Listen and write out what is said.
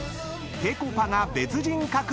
［ぺこぱが別人格に⁉］